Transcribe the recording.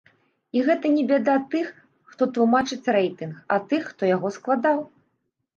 І гэта не бяда тых, хто тлумачыць рэйтынг, а тых, хто яго складаў.